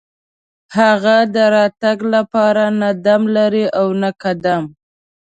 هغه د راتګ لپاره نه دم لري او نه قدم.